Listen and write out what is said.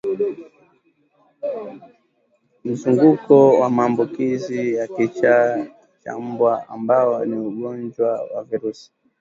mzunguko wa maambukizi ya kichaa cha mbwa ambao ni ugonjwa wa virusi